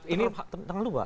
ini tengah lupa